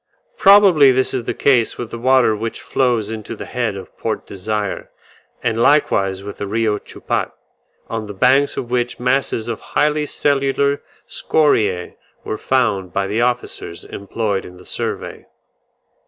Probably this is the case with the water which flows into the head of Port Desire, and likewise with the Rio Chupat, on the banks of which masses of highly cellular scoriae were found by the officers employed in the survey.